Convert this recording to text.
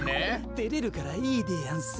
てれるからいいでやんす。